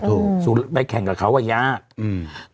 ถูกไปแข่งกับเขาว่ายากอืม